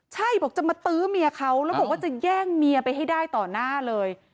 ใช่บอกจะมาตื้อเมียเขาแล้วบอกว่าจะแย่งเมียไปให้ได้ต่อหน้าเลย